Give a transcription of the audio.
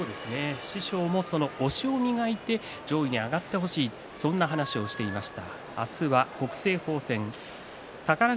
師匠も押しを磨いて上に上がってほしいとそんな話をしていました。